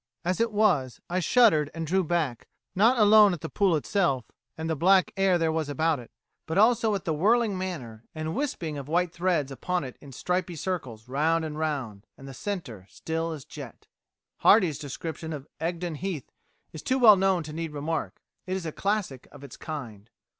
As it was, I shuddered and drew back; not alone at the pool itself, and the black air there was about it, but also at the whirling manner, and wisping of white threads upon it in stripy circles round and round; and the centre still as jet."[75:A] Hardy's description of Egdon Heath is too well known to need remark; it is a classic of its kind.